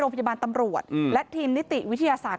พยาบาลตำรวจและทีมนิติวิทยาศาสตร์